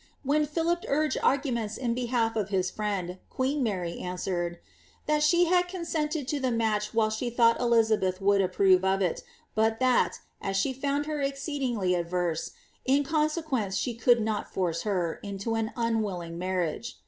When Philip uiged arguments in behalf of his frieiKL queen Mary answered, ^ that she bad consented to the match while she thought Elizabeth would approve of it, but that, as she found her ex ceedingly averse, in conscience she could not force her' into an unwill ing marriage."